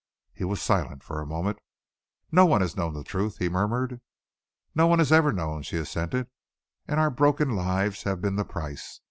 He was silent for a moment. "No one has known the truth," he murmured. "No one has ever known," she assented, "and our broken lives have been the price.